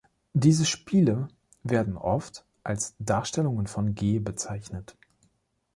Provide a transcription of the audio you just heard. Diese Spiele werden oft als „Darstellungen von G“ bezeichnet.